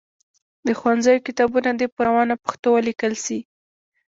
د ښوونځیو کتابونه دي په روانه پښتو ولیکل سي.